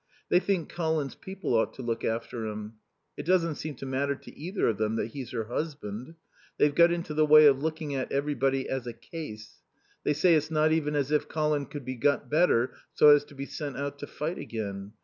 They think Colin's people ought to look after him. It doesn't seem to matter to either of them that he's her husband. They've got into the way of looking at everybody as a case. They say it's not even as if Colin could be got better so as to be sent out to fight again.